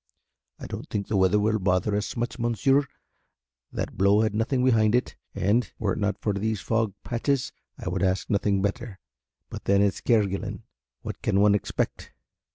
"I don't think the weather will bother us much, monsieur, that blow had nothing behind it, and were it not for these fog patches I would ask nothing better; but then it's Kerguelen what can one expect!"